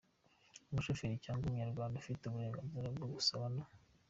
umushoferi cyangwa umunyarwanda ufite uburenganzira bwo gusaba no